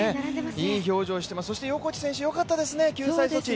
いい評定しています、そして横地選手よかったですね、救済措置。